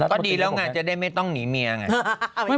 ก็ดีแล้วไงจะได้ไม่ต้องหนีเมียไง